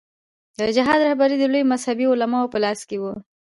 د جهاد رهبري د لویو مذهبي علماوو په لاس کې وه.